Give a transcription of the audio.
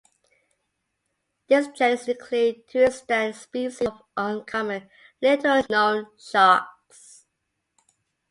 This genus includes two extant species of uncommon, little-known sharks.